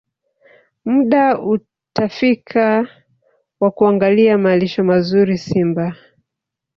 Muda utafika wa kuangalia malisho mazuri Simba